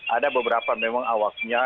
ada beberapa memang awalnya